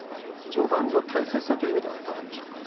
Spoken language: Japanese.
序盤の大切さという意味ではいかがでしょうか。